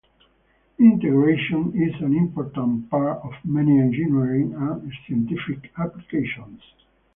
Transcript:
Integration is an important part of many engineering and scientific applications.